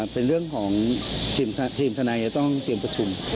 เป็นเรื่องของทีมทนายจะต้องเตรียมประชุม